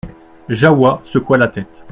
Jahoua secoua la tête.